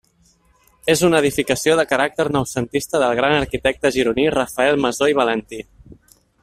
És una edificació de caràcter noucentista del gran arquitecte gironí Rafael Masó i Valentí.